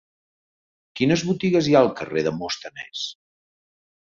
Quines botigues hi ha al carrer de Demòstenes?